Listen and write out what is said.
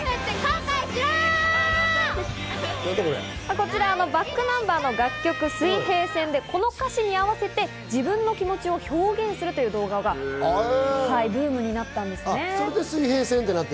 こちらｂａｃｋｎｕｍｂｅｒの楽曲『水平線』でこの歌詞に合わせて自分の気持ちを表現するという動画がブームになったんですね。